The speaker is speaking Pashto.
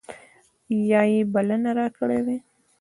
یا یې بلنه راکړې وای.